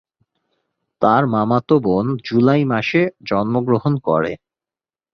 তার মামাতো বোন জুলাই মাসে জন্মগ্রহণ করে।